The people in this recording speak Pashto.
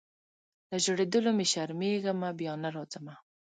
له ژړېدلو مي شرمېږمه بیا نه راځمه